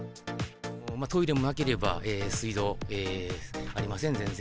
トイレもなければ、水道もありません、全然。